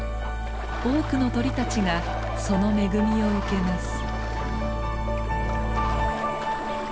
多くの鳥たちがその恵みを受けます。